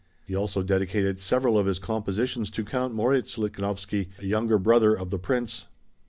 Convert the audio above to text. He also dedicated several of his compositions to Count Moritz Lichnowsky, a younger brother of the Prince.